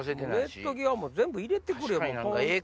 ネット際全部入れてくれよ。